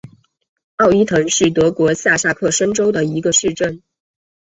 奥伊滕是德国下萨克森州的一个市镇。